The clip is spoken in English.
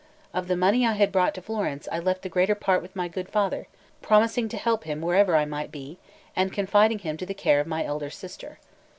Of the money I had brought to Florence, I left the greater part with my good father, promising to help him wherever I might be, and confiding him to the care of my elder sister.